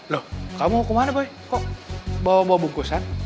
loh kamu mau kemana boy kok bawa bawa bungkusan